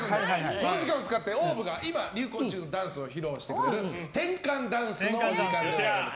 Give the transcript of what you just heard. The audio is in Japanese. この時間を使ってＯＷＶが今流行中のダンスを披露してくれる転換ダンスのお時間でございます。